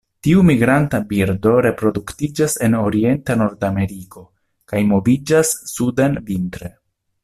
Tiu migranta birdo reproduktiĝas en orienta Nordameriko kaj moviĝas suden vintre.